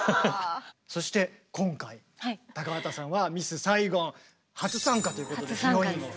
そして今回高畑さんは「ミス・サイゴン」初参加ということでヒロインを。